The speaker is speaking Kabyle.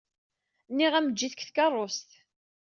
Nniɣ-am eǧǧ-itt deg tkeṛṛust.